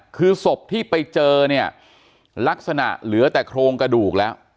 คือศพที่ไปเจอเนี่ยลักษณะเหลือแต่โครงกระดูกแล้ว